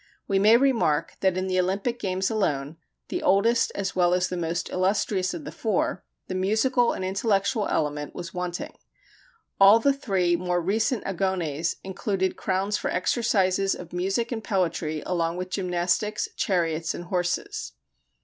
We may remark that in the Olympic games alone, the oldest as well as the most illustrious of the four, the musical and intellectual element was wanting. All the three more recent Agones included crowns for exercises of music and poetry, along with gymnastics, chariots, and horses.